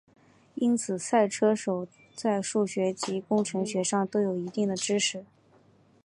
因此赛车手在数学及工程学上都有一定的知识。